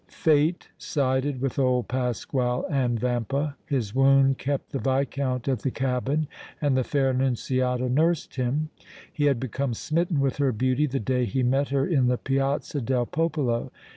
"Fate sided with old Pasquale and Vampa. His wound kept the Viscount at the cabin and the fair Annunziata nursed him. He had become smitten with her beauty the day he met her in the Piazza del Popolo.